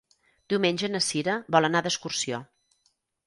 Diumenge na Cira vol anar d'excursió.